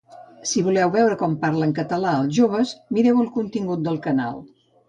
Si voleu veure com parlen català els joves, mireu el contingut del canal.